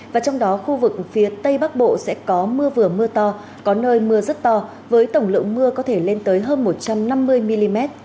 và trong đó khu vực phía tây bắc bộ sẽ có mưa vừa mưa to có nơi mưa rất to với tổng lượng mưa có thể lên tới hơn một trăm năm mươi mm